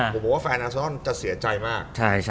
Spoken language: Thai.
ผมบอกว่าแฟนอาซอนจะเสียใจมาก